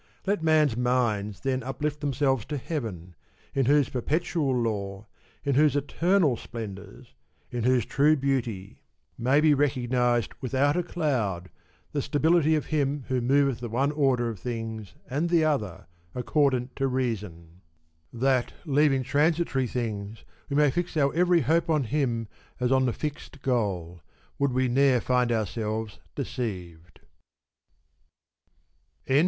Let men's minds > then uplift themselves to heaven, in whose perpetual law, in whose eternal splendours, in whose true beauty may be recognised without a cloud the stability of him who moveth the one order of things and the other, accordant to reason ; that, leaving transitory things, we may fix our every hope on him as on the fixed goal, would we ne'er find ourselves deceived.